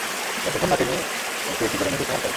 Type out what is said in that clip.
যতক্ষণ না তিনি একটি একটি করে মৃদু প্রহার করেন।